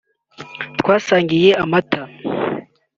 twasangiye amata